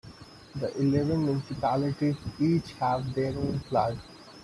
The eleven municipalities each have their own flag.